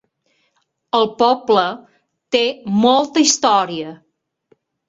El poble té molta història.